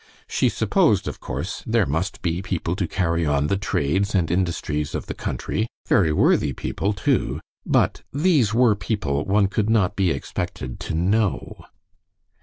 She supposed, of course, there must be people to carry on the trades and industries of the country very worthy people, too but these were people one could not be expected to know.